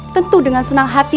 tentu dengan senang hati